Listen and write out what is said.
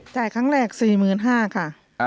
จ่ายครั้งแรก๔๕๐๐๐ค่ะ